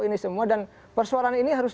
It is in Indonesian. ini semua dan persoalan ini harus